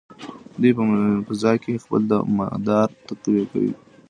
دوی په فضا کې خپل مدار تعقیبوي.